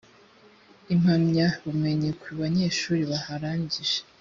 impamyabumenyi ku banyeshuri baharangije